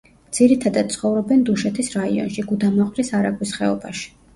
ძირითადად ცხოვრობენ დუშეთის რაიონში, გუდამაყრის არაგვის ხეობაში.